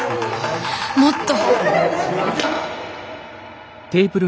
もっと！